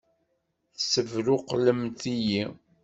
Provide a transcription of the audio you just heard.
Tessebṛuqlemt-iyi!